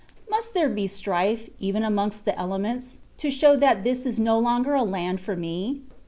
"Must there be strife, even amongst the elements, to show that this is no longer a land for me?